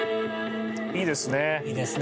いいですね。